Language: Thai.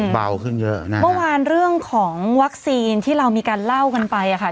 เมื่อวานเรื่องของวัคซีนที่เรามีการเล่ากันไปค่ะ